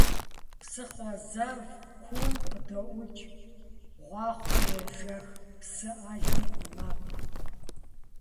Псыхъуэ зэв куум къыдоӀукӀ гъуахъуэу ежэх псы Ӏэлым и макъ.